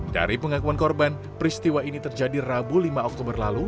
dari pengakuan korban peristiwa ini terjadi rabu lima oktober lalu